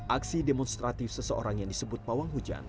aksi demonstratif seseorang yang disebut pawang hujan